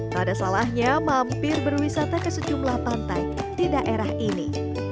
tak ada salahnya mampir berwisata ke sejumlah pantai di daerah ini